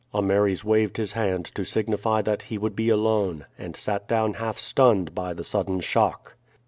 Ameres waved his hand to signify that he would be alone, and sat down half stunned by the sudden shock.